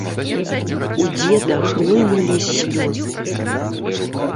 У дзеда хлынулі слёзы.